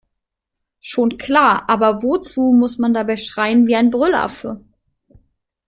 Schon klar, aber wozu muss man dabei schreien wie ein Brüllaffe?